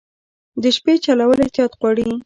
د شپې چلول احتیاط غواړي.